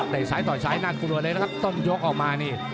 แต่ซ้ายต่อยซ้ายน่ากลัวเลยนะครับต้องยกออกมานี่